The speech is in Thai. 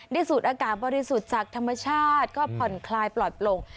สูดอากาศบริสุทธิ์จากธรรมชาติก็ผ่อนคลายปลอดโปร่ง